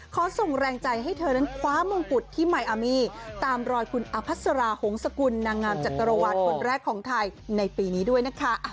ขอส่งแรงใจให้เธอนั้นคว้ามงกุฎที่มายอามีตามรอยคุณอภัสราหงษกุลนางงามจักรวาลคนแรกของไทยในปีนี้ด้วยนะคะ